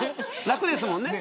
楽ですもんね。